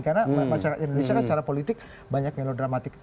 karena masyarakat indonesia kan secara politik banyak melodramatik